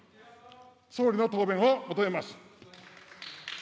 総理の答弁を求めます。